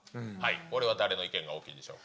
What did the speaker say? これは誰の意見が大きいでしょう。